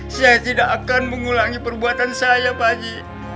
saya tidak akan mengulangi perbuatan saya pak haji